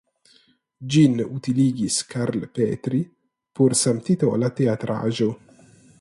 Ĝin utiligis Karl Petri por samtitola teatraĵo.